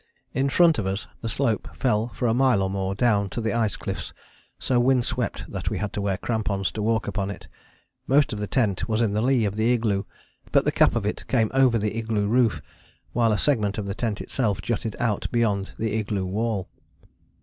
In front of us the slope fell for a mile or more down to the ice cliffs, so wind swept that we had to wear crampons to walk upon it. Most of the tent was in the lee of the igloo, but the cap of it came over the igloo roof, while a segment of the tent itself jutted out beyond the igloo wall.